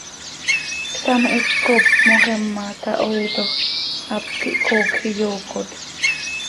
Ctam hipcop moxima tahoiitoj, hap quih coocj iyoocotim.